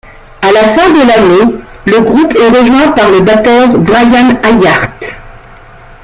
À la fin de l'année, le groupe est rejoint par le batteur Bryan Hayart.